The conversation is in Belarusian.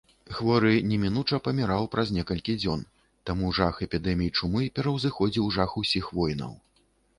Хворы немінуча паміраў праз некалькі дзён, таму жах эпідэмій чумы пераўзыходзіў жах усіх войнаў.